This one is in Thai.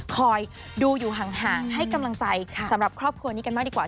คอยดูอยู่ห่างให้กำลังใจสำหรับครอบครัวนี้กันมากดีกว่า